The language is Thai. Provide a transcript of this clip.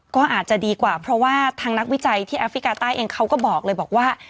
ก็อาจจะดีกว่าเพราะว่าทางนักวิจัยที่แอฟริกาใต้เองเขาก็บอกเลยบอกว่า